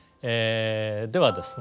ではですね